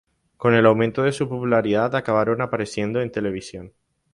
Con el aumento de su popularidad acabaron apareciendo en televisión.